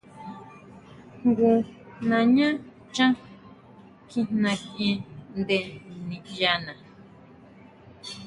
Jngu nañá chán kjijna kʼien nde niʼyana.